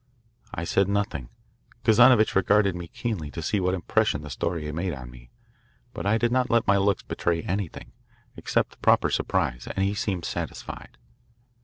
I said nothing. Kazanovitch regarded me keenly to see what impression the story made on me, but I did not let my looks betray anything, except proper surprise, and he seemed satisfied.